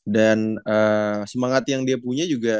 dan eee semangat yang dia punya